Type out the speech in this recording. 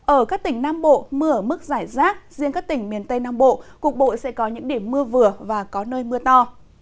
ở các tỉnh nam bộ mưa ở mức giải rác riêng các tỉnh miền tây nam bộ cục bộ sẽ có những điểm mưa vừa và có nơi mưa to